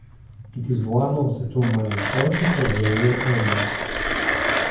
It is one of the two main sources of the River Annan.